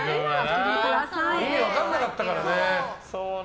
意味分からなかったからね。